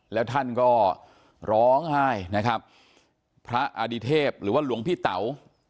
แล้วท่านก็ร้องไห้นะครับพระอดิเทพหรือว่าหลวงพี่เต๋า